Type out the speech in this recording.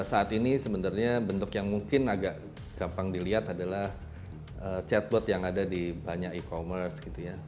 saat ini sebenarnya bentuk yang mungkin agak gampang dilihat adalah chatbot yang ada di banyak e commerce gitu ya